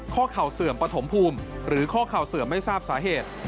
เข่าเสื่อมปฐมภูมิหรือข้อเข่าเสื่อมไม่ทราบสาเหตุ